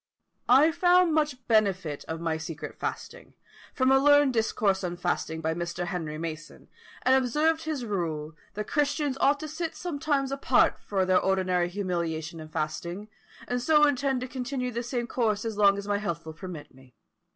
"I found much benefit of my secret fasting, from a learned discourse on fasting by Mr. Henry Mason, and observed his rule, that Christians ought to sit sometimes apart for their ordinary humiliation and fasting, and so intend to continue the same course as long as my health will permit me.